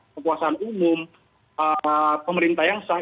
kekuasaan umum pemerintah yang sah